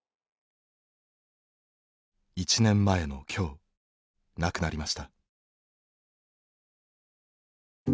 １年前の今日亡くなりました。